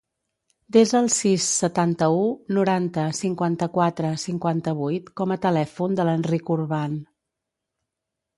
Desa el sis, setanta-u, noranta, cinquanta-quatre, cinquanta-vuit com a telèfon de l'Enric Urban.